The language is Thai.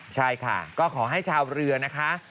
ใช่ค่ะก็ขอให้ชาวเรือนะคะ